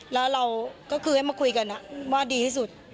แล้วเราก็คือให้มาคุยกันว่าดีที่สุด